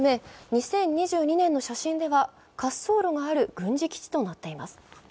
２０２２年の写真では、滑走路がある軍事基地となっています。